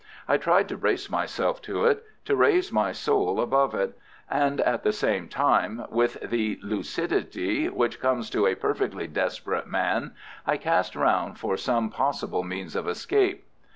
I tried to brace myself to it, to raise my soul above it, and at the same time, with the lucidity which comes to a perfectly desperate man, I cast round for some possible means of escape.